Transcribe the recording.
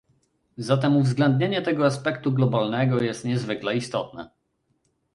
Zatem uwzględnienie tego aspektu globalnego jest niezwykle istotne